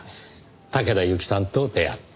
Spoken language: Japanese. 竹田ユキさんと出会った。